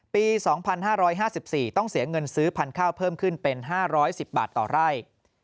ปี๒๕๕๔ต้องเสียเงินซื้อพันธุ์ข้าวเพิ่มขึ้นเป็น๕๑๐บาทต่อไร่